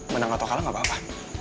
menang atau kalah gak apa apa